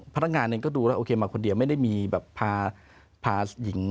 พนักงานเองก็ดูแล้วโอเคมาคนเดียวไม่ได้มีแบบพาหญิง